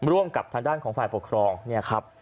ร่วมกับทางด้านของฝ่ายปกครองเนี่ยครับ